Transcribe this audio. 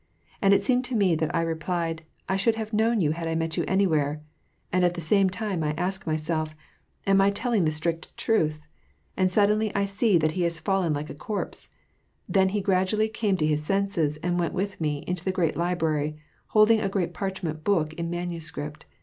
And it seemed to me that I replied, ''I should have known you had I met you anvwhere," and at the same time, I ask nivself , "Am I telling the strict truth ?" and suddenly I see that he has fallen I like a corpse; then he gradually came to his senses, and went with me into the great library, holding a great parchment book in manuscript.